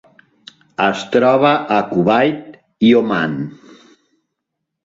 Es troba a Kuwait i Oman.